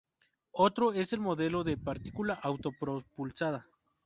Otro es el modelo de Partícula Auto Propulsada.